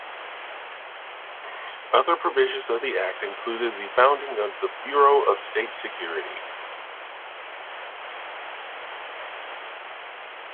Other provisions of the Act included the founding of the Bureau of State Security.